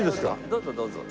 どうぞどうぞ。